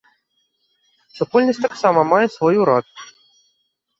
Супольнасць таксама мае свой урад.